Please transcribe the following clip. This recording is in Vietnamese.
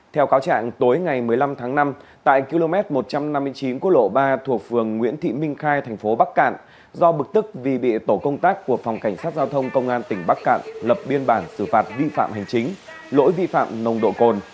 theo cáo trạng tối ngày một mươi năm tháng năm tại km một trăm năm mươi chín của lộ ba thuộc phường nguyễn thị minh khai thành phố bắc cạn do bực tức vì bị tổ công tác của phòng cảnh sát giao thông công an tỉnh bắc cạn lập biên bản xử phạt vi phạm hành chính lỗi vi phạm nồng độ cồn